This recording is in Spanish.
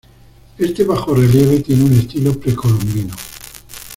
Este bajorrelieve tiene un estilo precolombino.